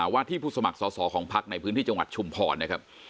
ว่าที่ผู้สมัครสอสอของพักในพื้นที่จังหวัดชุมพรนะครับ